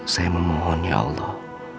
saya memohon ya allah